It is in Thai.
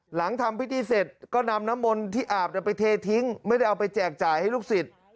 หลังทำพิธีเสร็จก็นำน้ำมนต์ที่อาบไปเททิ้งไม่ได้เอาไปแจกจ่ายให้ลูกศิษย์